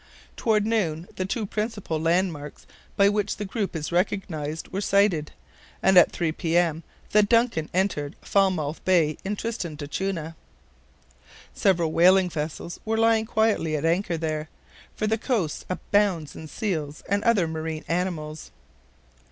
Toward noon, the two principal landmarks, by which the group is recognized were sighted, and at 3 P. M. the DUNCAN entered Falmouth Bay in Tristan d'Acunha. Several whaling vessels were lying quietly at anchor there, for the coast abounds in seals and other marine animals.